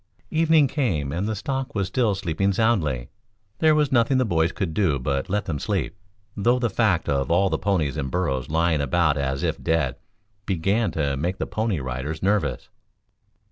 Evening came and the stock was still sleeping soundly. There was nothing the boys could do but let them sleep, though the fact of all the ponies and burros lying about as if dead began to make the Pony Riders nervous.